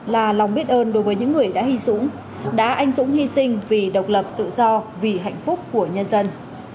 là lòng biết ơn đối với những người đã hy dũng đã anh dũng hy sinh vì độc lập tự do vì hạnh phúc của nhân dân